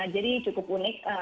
jadi cukup unik